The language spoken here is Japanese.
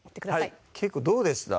はい結構どうでした？